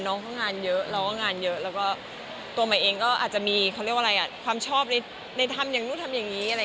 น้องก็งานเยอะเราก็งานเยอะแล้วก็ตัวใหม่เองก็อาจจะมีความชอบในทำอย่างนู้นทำอย่างนี้